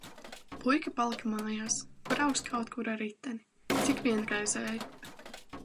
Puika palika mājās, brauks kaut kur ar riteni. Cik vienreizēji!